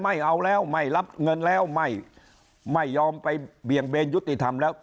ไม่เอาแล้วไม่รับเงินแล้วไม่ยอมไปเบี่ยงเบนยุติธรรมแล้ว